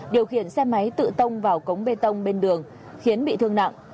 điều khiển xe máy tự tông vào cống bê tông bên đường khiến bị thương nặng